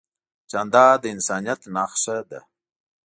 جانداد د انسانیت نښه ده.